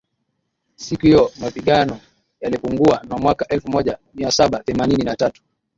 siku hiyo mapigano yalipungua na mwaka elfumoja miasaba themanini na tatu